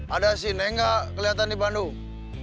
ada si nengak kelihatan di bandung